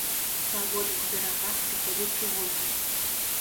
Па абодвух берагах праходзіць чыгунка.